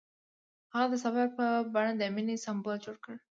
هغه د سفر په بڼه د مینې سمبول جوړ کړ.